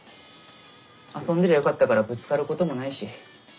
遊んでりゃよかったからぶつかることもないし。